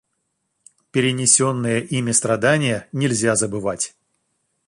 Перенесенные ими страдания нельзя забывать.